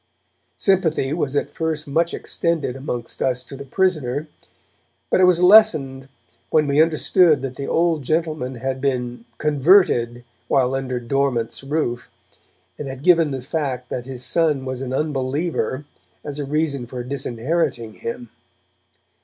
Sympathy was at first much extended amongst us to the prisoner. But it was lessened when we understood that the old gentleman had been 'converted' while under Dormant's roof, and had given the fact that his son was 'an unbeliever' as a reason for disinheriting him.